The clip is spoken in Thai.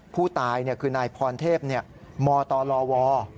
ผู้ตายคือนายพรเทพมตลว